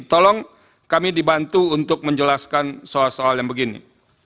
tolong kami dibantu untuk menjelaskan soal soal yang begini